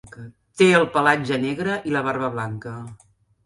Té el pelatge negre i la barba blanca.